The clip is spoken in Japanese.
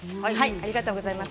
ありがとうございます。